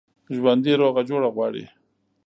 ژوندي روغه جوړه غواړي